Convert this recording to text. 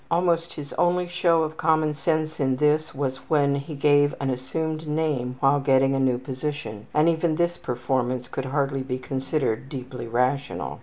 Almost his only show of common sense in this was when he gave an assumed name while getting a new position, and even this performance could hardly be considered deeply rational.